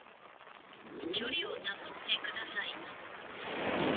距離を保ってください。